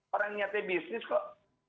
orang ini nyatanya bisnis kok